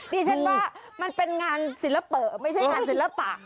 ดิฉันว่ามันเป็นงานศิลปะไม่ใช่งานศิลปะ